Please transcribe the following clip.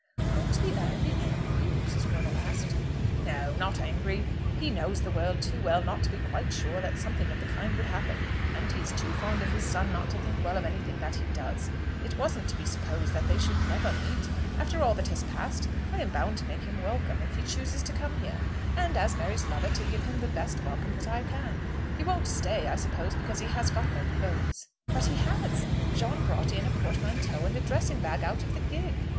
"Won't the Earl be angry?" Mrs. Wortle asked. "No; not angry. He knows the world too well not to be quite sure that something of the kind would happen. And he is too fond of his son not to think well of anything that he does. It wasn't to be supposed that they should never meet. After all that has passed I am bound to make him welcome if he chooses to come here, and as Mary's lover to give him the best welcome that I can. He won't stay, I suppose, because he has got no clothes." "But he has; John brought in a portmanteau and a dressing bag out of the gig."